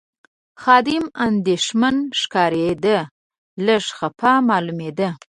خادم اندېښمن ښکارېد، لږ خپه معلومېده.